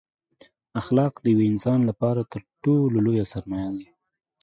اخلاق دیوه انسان لپاره تر ټولو لویه سرمایه ده